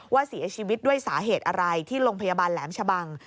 ว่าเสียชีวิตด้วยสาเหตุอะไรที่โรงพยาบาลแหลมชะบัง